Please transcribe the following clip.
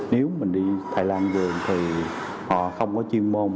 nếu mình đi thái lan vườn thì họ không có chuyên môn